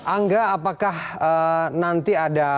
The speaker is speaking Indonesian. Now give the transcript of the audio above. angga apakah nanti ada